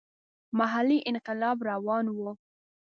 محلي انقلاب روان وو.